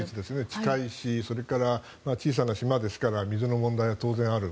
近いしそれから小さな島ですから水の問題は当然ある。